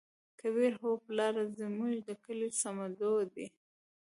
کبير : هو پلاره زموږ د کلي صمدو دى.